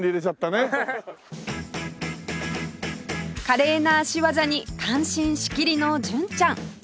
華麗な足技に感心しきりの純ちゃん